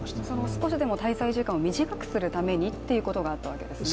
少しでも滞在時間を短くするためにということがあったわけですね